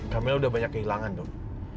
kamilah sudah banyak kehilangan dok